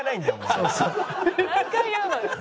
何回言うのよ。